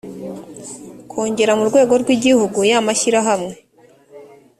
kongere mu rwego rw igihugu ya mashyirahamwe